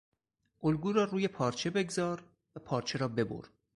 الگو را روی پارچه بگذار و پارچه را ببر!